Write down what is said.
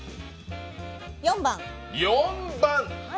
４番。